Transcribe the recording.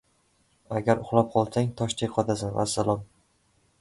Agar uxlab qolsang, toshdek qotasan, vassalom.